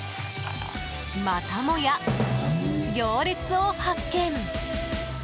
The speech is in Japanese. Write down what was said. またもや行列を発見！